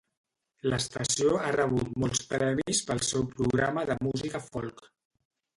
L'estació ha rebut molts premis pel seu programa de música folk.